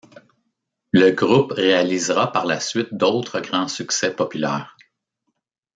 Le groupe réalisera par la suite d'autres grands succès populaires.